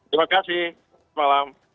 terima kasih selamat malam